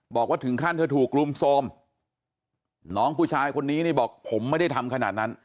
บอกว่าถึงขั้นเธอถูกรุมโทรมน้องผู้ชายคนนี้นี่บอกผมไม่ได้ทำขนาดนั้น